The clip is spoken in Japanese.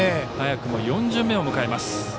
早くも４巡目を迎えます。